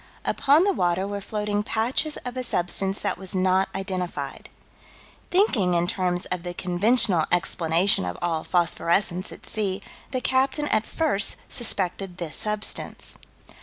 Upon the water were floating patches of a substance that was not identified. Thinking in terms of the conventional explanation of all phosphorescence at sea, the captain at first suspected this substance.